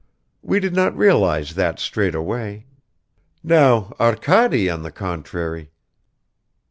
We did not realize that straight away. Now Arkady, on the contrary